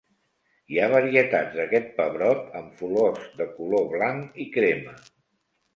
Hi ha varietats d'aquest pebrot amb flors de color blanc i crema.